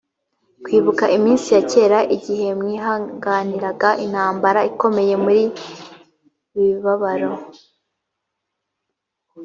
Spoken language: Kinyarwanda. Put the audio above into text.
kwibuka iminsi ya kera igihe mwihanganiraga intambara ikomeye muri mu mibabaro